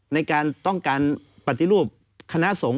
ในการต้องการปฏิรูปคณะสงฆ์